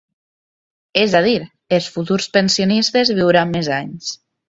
És a dir, els futurs pensionistes viuran més anys.